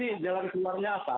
ini dalam kemarni apa